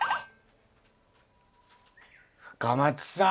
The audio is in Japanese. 深町さん。